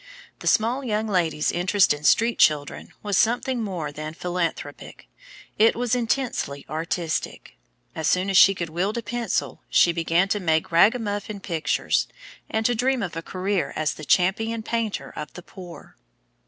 The small young lady's interest in street children was something more than philanthropic; it was intensely artistic. As soon as she could wield a pencil, she began to make ragamuffin pictures, and to dream of a career as the "champion painter of the poor."